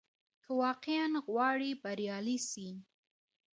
که واقعاً غواړې بریالی سې،